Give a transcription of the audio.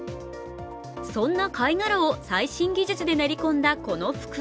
そんな貝殻を最新技術で練り込んだ、この袋。